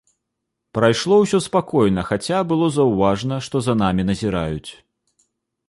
Прайшло ўсё спакойна, хаця было заўважна, што за намі назіраюць.